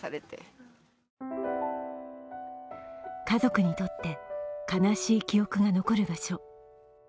家族にとって悲しい記憶が残る場所。